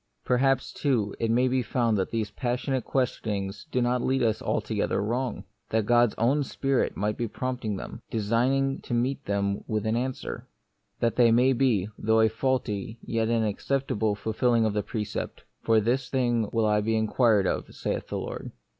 Perhaps, too, it may be found that these passionate questionings do not lead us altogether wrong ; that God's own Spirit may be prompting them, designing to meet them with an an The Mystery of Pain. swer ; that they may be, though a faulty, yet an acceptable, fulfilling of the precept : "For this thing will I be inquired of, saith the Lord."